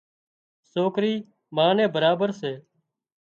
سوڪرِي ما نين برابر سي